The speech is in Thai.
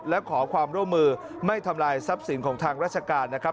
และขอความร่วมมือไม่ทำลายทรัพย์สินของทางราชการนะครับ